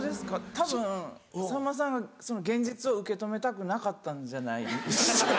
たぶんさんまさんがその現実を受け止めたくなかったんじゃない？